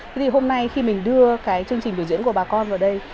thế thì hôm nay khi mình đưa cái chương trình biểu diễn của bà con vào đây